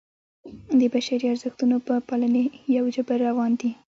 د بشري ارزښتونو په پالنې یو جبر روان دی.